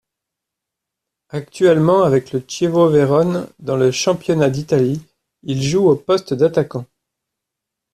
Actuellement avec le Chievo Vérone, dans le Championnat d'Italie, il joue au poste d'attaquant.